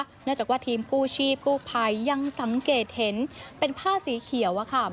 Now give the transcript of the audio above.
เนื่องจากว่าทีมกู้ชีพกู้ภัยยังสังเกตเห็นเป็นผ้าสีเขียวอะค่ะ